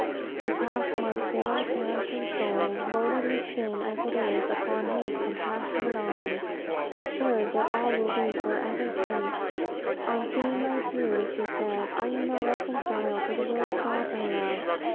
I cast my poor perishing soul, loaded with sin, as it is, upon his compassionate arms, assured that all will he forever safe.' On seeing my tears, he said, 'Are you not reconciled to the will of God, my love?'